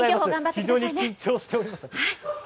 非常に緊張しております。